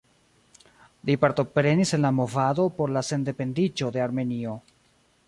Li partoprenis en la movado por la sendependiĝo de Armenio.